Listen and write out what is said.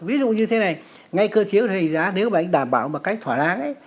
ví dụ như thế này ngay cơ chế điều hành giá nếu mà anh đảm bảo bằng cách thỏa lãng